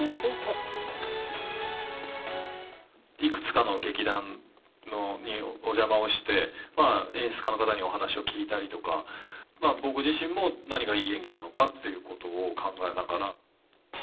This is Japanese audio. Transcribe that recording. いくつかの劇団にお邪魔をして、演出家の方にお話を聞いたりとか、僕自身も何がいい演技なのかっていうことを考えながら。